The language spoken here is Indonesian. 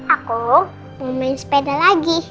aku mau main sepeda lagi